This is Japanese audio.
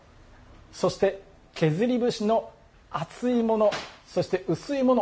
そして削り節の厚いものそして薄いもの